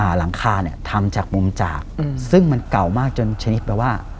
หลังคาเนี้ยทำจากมุมจากอืมซึ่งมันเก่ามากจนชนิดแปลว่า